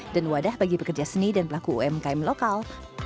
dan wadah bagi pekerja seni dan pelaku umkm lokal